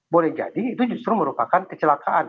boleh jadi itu justru merupakan kecelakaan